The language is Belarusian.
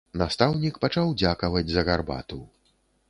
Настаўнік пачаў дзякаваць за гарбату.